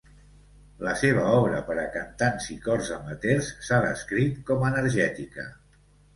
La seva obra per a cantants i cors amateurs s'ha descrit com energètica.